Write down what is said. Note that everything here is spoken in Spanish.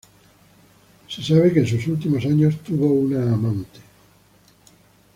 Se sabe que en sus últimos años tuvo una amante.